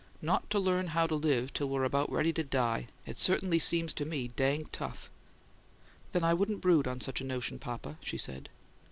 "Not to learn how to live till we're about ready to die, it certainly seems to me dang tough!" "Then I wouldn't brood on such a notion, papa," she said.